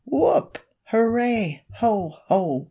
Whoop! Hooray! Ho! Ho!